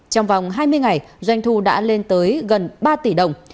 trong vòng hai mươi ngày doanh thu đã lên tới gần ba tỷ đồng